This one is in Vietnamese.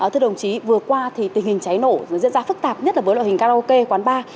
thưa đồng chí vừa qua thì tình hình cháy nổ diễn ra phức tạp nhất là với loại hình karaoke quán bar